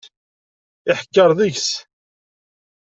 Iḥekker deg-s.